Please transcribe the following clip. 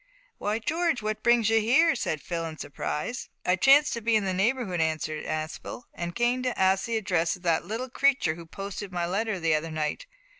"Why, George, what brings you here?" said Phil in surprise. "I chanced to be in the neighbourhood," answered Aspel, "and came to ask the address of that little creature who posted my letter the other night.